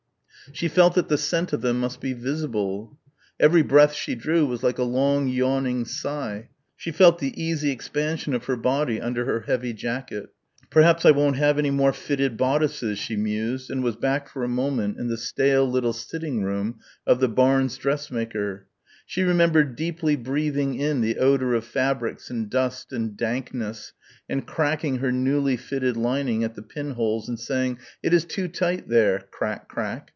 She felt that the scent of them must be visible. Every breath she drew was like a long yawning sigh. She felt the easy expansion of her body under her heavy jacket.... "Perhaps I won't have any more fitted bodices," she mused and was back for a moment in the stale little sitting room of the Barnes dressmaker. She remembered deeply breathing in the odour of fabrics and dust and dankness and cracking her newly fitted lining at the pinholes and saying, "It is too tight there" crack crack.